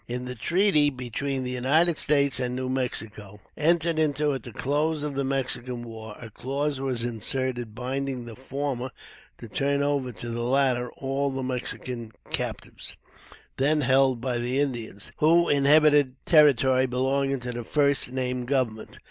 In the treaty between the United States and New Mexico, entered into at the close of the Mexican War, a clause was inserted binding the former to turn over to the latter all the Mexican captives then held by the Indians who inhabited territory belonging to the first named government.